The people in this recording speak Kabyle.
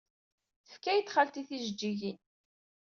Tefka-iyi-d xalti tijejjigin.